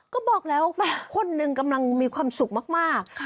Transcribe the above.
ก็บอกแล้วคนหนึ่งกำลังมีความสุขมาก